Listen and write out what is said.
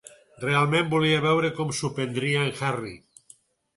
Realment volia veure com s'ho prendria en Harry.